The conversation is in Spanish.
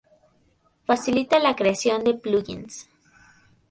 Facilita la creación de plugins.